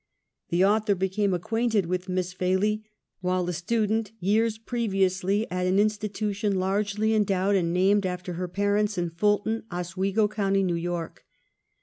The Author became acquainted with Miss Falley while a student years previously at an institution largely endowed and named after her parents in Ful ton, Oswego county, 'New Yoriv.